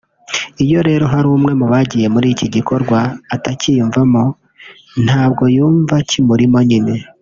Iyo rero hari umwe mu bagiye muri iki gikorwa utacyiyumvamo ntabwo yumva kimurimo nyine